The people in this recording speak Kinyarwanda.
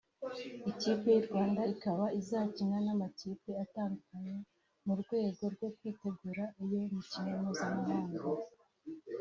Ikipe y’u Rwanda ikaba izakina n’amakipe atandukanye mu rwego rwo kwitegura iyo mikino mpuzamahanga